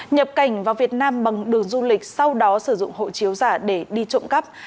nhập cảnh vào việt nam bằng đường du lịch sau đó sử dụng hộ chiếu giả để đi trộm cắp